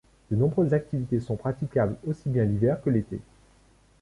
De nombreuses activités sont praticables aussi bien l'hiver que l'été.